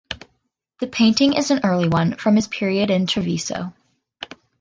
The painting is an early one from his period in Treviso.